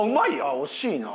惜しいな。